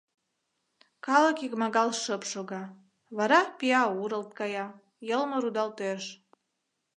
Калык икмагал шып шога, вара пӱя урылт кая, йылме рудалтеш.